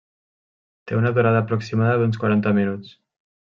Té una durada aproximada d'uns quaranta minuts.